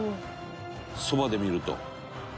そばで見ると」